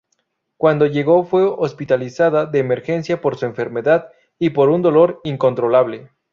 Cuando llegó, fue hospitalizada de emergencia por su enfermedad y por un dolor incontrolable.